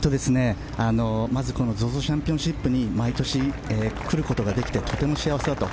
まずＺＯＺＯチャンピオンシップに毎年来ることができてとても幸せだと。